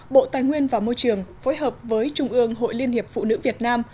bộ tài nguyên và môi trường phối hợp với trung ương hội liên hiệp phụ nữ việt nam